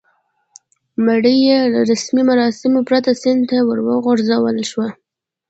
مړی یې له رسمي مراسمو پرته سیند ته ور وغورځول شو.